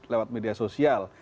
lewat media sosial